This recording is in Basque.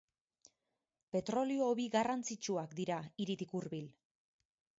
Petrolio hobi garrantzitsuak dira hiritik hurbil.